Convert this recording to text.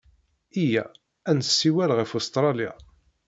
Iyya ad nessiwel ɣef Ustṛalya.